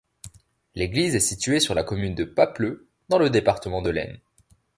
L'église est située sur la commune de Papleux, dans le département de l'Aisne.